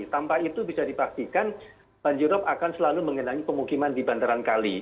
tanpa itu bisa dipastikan banjirop akan selalu mengenangi pemukiman di bandaran kali